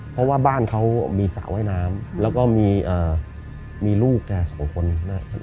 เพราะว่าบ้านเขามีสระว่ายน้ำแล้วก็มีลูกแกสองคน